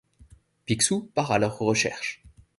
Picsou part à leur recherche.